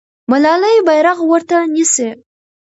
ملالۍ بیرغ ورته نیسي.